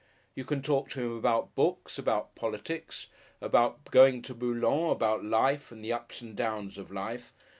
You can talk to him about books, about politics, about going to Boulogne, about life, and the ups and downs of life.